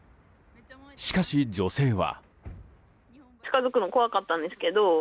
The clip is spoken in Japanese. しかし、女性は。